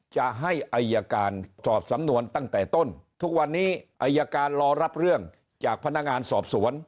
จะให้อายการสอบสำนวนตั้งแต่ต้นทุกวันนี้อายการรอรับเรื่องจากพนักงานสอบสวน